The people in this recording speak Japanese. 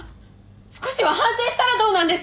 少しは反省したらどうなんです！